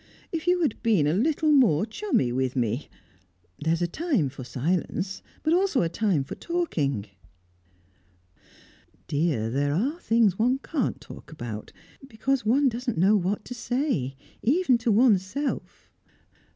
If you had been a little more chummy with me. There's a time for silence, but also a time for talking." "Dear, there are things one can't talk about, because one doesn't know what to say, even to oneself."